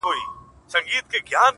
ميسج،